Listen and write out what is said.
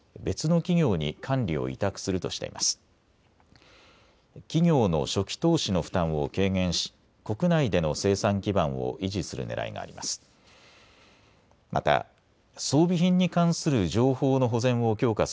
企業の初期投資の負担を軽減し国内での生産基盤を維持するねらいがあります。